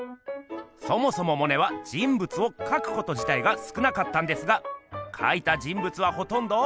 そもそもモネは人物をかくことじたいがすくなかったんですがかいた人物はほとんど。